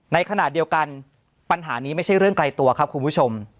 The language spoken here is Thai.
ในขณะเดียวกันปัญหานี้ไม่ใช่เรื่องไกลตัวครับคุณผู้ชม